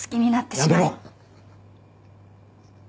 やめろ！